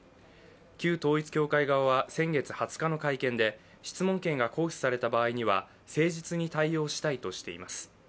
旧統一教会側は先月２０日の会見で質問権が行使された場合には誠実に対応したいとしています。